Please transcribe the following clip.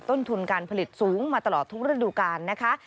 ต้นทุนการผลิตสูงมาตลอดทุกฤดูกาลนะคะ